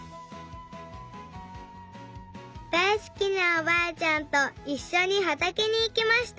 だいすきなおばあちゃんといっしょにはたけにいきました。